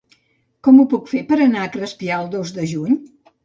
Com ho puc fer per anar a Crespià el dos de juny?